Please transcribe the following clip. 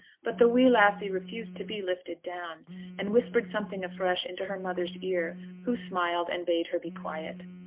But the wee lassie refused to be lifted down, and whispered something afresh into her mother's ear, who smiled and bade her be quiet.